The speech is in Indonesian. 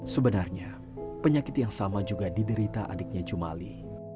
sebenarnya penyakit yang sama juga diderita adiknya jumali